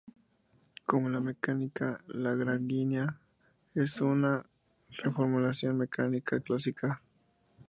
Como la mecánica lagrangiana, es una reformulación de la mecánica clásica.